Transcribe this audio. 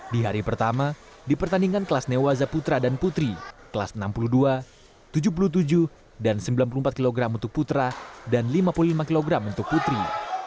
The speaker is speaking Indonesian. di hari pertama di pertandingan kelas newaza putra dan putri kelas enam puluh dua tujuh puluh tujuh dan sembilan puluh empat kg untuk putra dan lima puluh lima kg untuk putri